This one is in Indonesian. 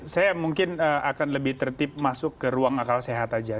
saya mungkin akan lebih tertib masuk ke ruang akal sehat saja